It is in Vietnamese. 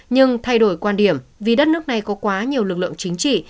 nhưng thay đổi quan điểm vì đất nước này có quá nhiều lực lượng chính trị